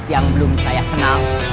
yang belum saya kenal